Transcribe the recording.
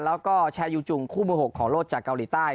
แล้วก็แชร์ยูจุงคู่มือ๖ของโลกจากเกาหลีใต้